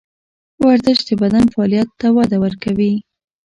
ورزش د بدن فعالیت ته وده ورکوي.